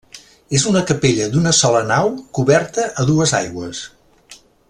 És una capella d'una sola nau, coberta a dues aigües.